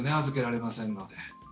預けられませんので。